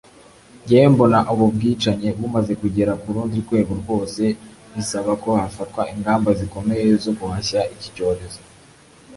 njyewe mbona ububwicanye bumazekugera kurundi rwego rwose bisaba ko hafatwa ingamba zikomeye zoguhashya ikicyorezo